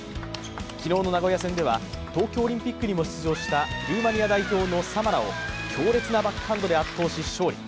昨日の名古屋戦では東京オリンピックにも出場したルーマニア代表のサマラを強烈なバックハンドで圧勝し勝利。